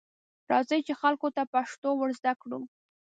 راځئ، چې خلکو ته پښتو ورزده کړو.